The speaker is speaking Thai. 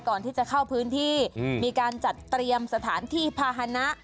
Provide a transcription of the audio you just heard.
ก่อนที่จะเข้าพื้นที่มีการจัดเตรียมสถานที่ภาษณะ